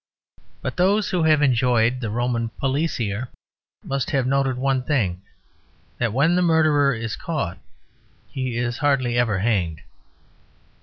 But those who have enjoyed the roman policier must have noted one thing, that when the murderer is caught he is hardly ever hanged.